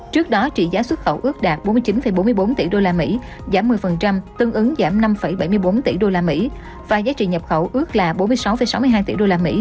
trước đó trị giá xuất khẩu ước đạt bốn mươi chín bốn mươi bốn tỷ usd giảm một mươi tương ứng giảm năm bảy mươi bốn tỷ usd và giá trị nhập khẩu ước là bốn mươi sáu sáu mươi hai tỷ usd